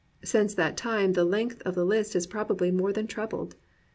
* Since that time the length of the list has probably more than trebled.